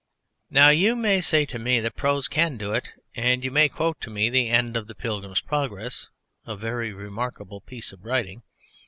Now you may say to me that prose can do it, and you may quote to me the end of the Pilgrim's Progress, a very remarkable piece of writing.